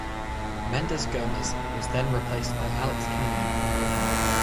Mendes Gomes was then replaced by Alex Kenyon for Morecambe.